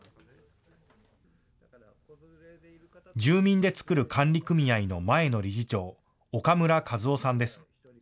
住民で作る管理組合の前の理事長、岡村和朗さんです。